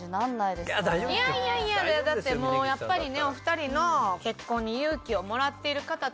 いやいやいやだってもうやっぱりね。